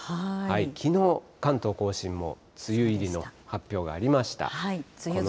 きのう、関東甲信も梅雨入りの発表がありました。